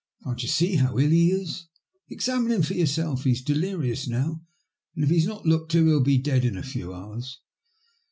*' Can't you see how ill he is ? Examine him for yourself. He is delirious now, and if he's not looked to he'll be dead in a few hours."